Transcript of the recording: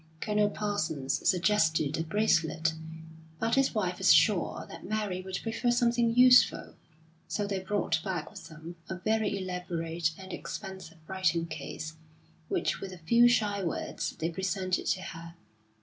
Colonel Parsons suggested a bracelet, but his wife was sure that Mary would prefer something useful; so they brought back with them a very elaborate and expensive writing case, which with a few shy words they presented to her.